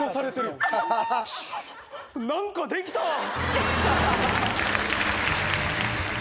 何かできた！